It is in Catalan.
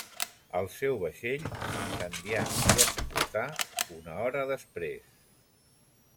El seu vaixell s'incendià i explotà una hora després.